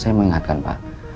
saya mau ingatkan pak